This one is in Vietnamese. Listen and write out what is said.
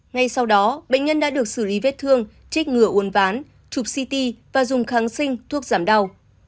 ngay sau đó bệnh nhân đã được xử lý vết thương trích ngừa uốn ván chụp ct và dùng kháng sinh thuốc giảm đau